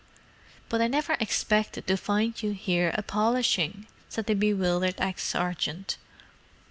"But I never expected to find you 'ere a polishin'," said the bewildered ex sergeant.